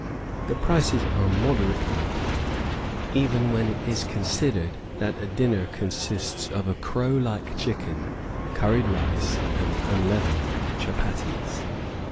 The prices are moderate enough, even when it is considered that a dinner consists of a crow like chicken, curried rice, and unleavened chuppatties.